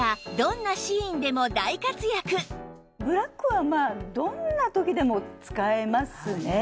ブラックはまあどんな時でも使えますね。